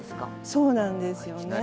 そうなんですよね。